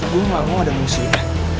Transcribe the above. gue gak mau ada musim